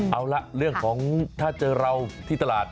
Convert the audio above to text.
เอาล่ะเรื่องของถ้าเจอเราที่ตลาด